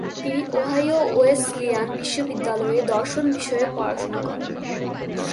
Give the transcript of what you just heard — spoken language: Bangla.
তিনি ওহাইও ওয়েসলিয়ান বিশ্ববিদ্যালয়ে দর্শন বিষয়ে পড়াশোনা করেন।